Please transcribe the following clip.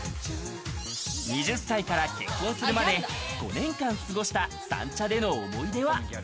２０歳から結婚するまで５年間過ごした三茶での思い出は。